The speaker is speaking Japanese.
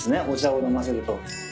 お茶を飲ませると。